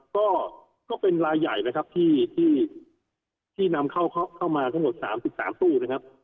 ก็ก็เป็นรายใหญ่นะครับที่ที่ที่นำเข้าเข้ามาทั้งหมดสามสิบสามตู้นะครับ